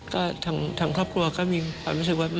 ก็ทางครอบครัวก็มีความรู้สึกว่า